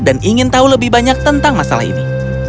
dan ingin tahu lebih banyak tentang masalah ini